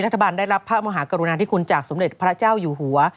รัฐบาลได้รับพระมหากรุณาธิคุณจากสมเด็จพระเจ้าอยู่หัว